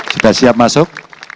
sudah siap masuk